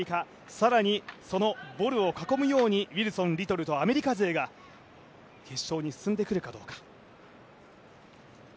更にそのボルを囲むようにウィルソン、リトルとアメリカ勢が決勝に進んでくるかどうか。